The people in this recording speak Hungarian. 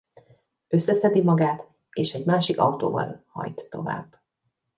Összeszedi magát és egy másik autóval hajt tovább.